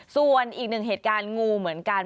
ส่วนอีกหนึ่งเหตุการณ์งูเหมือนกัน